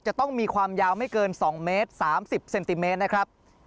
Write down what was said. จะต้องมีความยาวไม่เกิน๒เมตร๓๐เซนติเมตรนะครับ